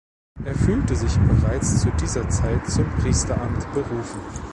Er fühlte sich bereits zu dieser Zeit zum Priesteramt berufen.